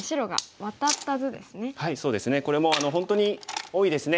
これも本当に多いですね。